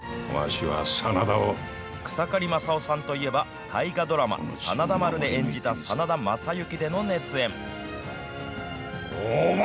草刈正雄さんといえば、大河ドラマ、真田丸で演じた真田昌幸での熱演。